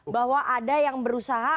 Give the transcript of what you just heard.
bahwa ada yang berusaha